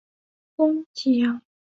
攻济阳。